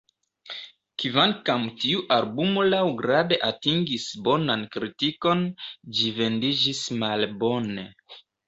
Kvankam tiu albumo laŭgrade atingis bonan kritikon, ĝi vendiĝis malbone.